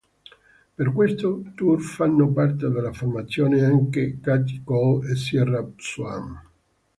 Per questo tour fanno parte della formazione anche Katie Cole e Sierra Swan.